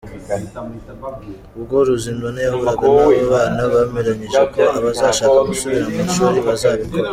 Ubwo Ruzindana yahuraga n’aba bana, bemeranyije ko abazashaka gusubira mu ishuri bazabikora.